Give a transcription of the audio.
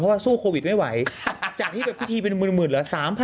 เพราะว่าสู้โควิดไม่ไหวจากที่เป็นพิธีเป็นหมื่นหรอ